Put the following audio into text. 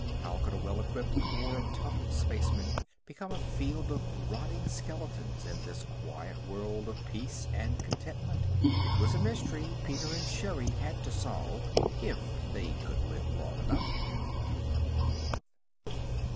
How could a well equipped corps of tough spacemen become a field of rotting skeletons in this quiet world of peace and contentment? It was a mystery Peter and Sherri had to solve. If they could live long enough!